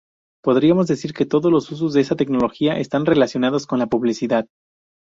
Podríamos decir que todos los usos de esta tecnología están relacionados con la publicidad.